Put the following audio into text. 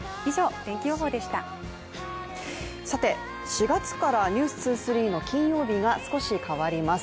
４月から「ｎｅｗｓ２３」の金曜日が少し変わります。